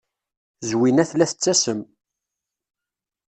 Zwina tella tettasem.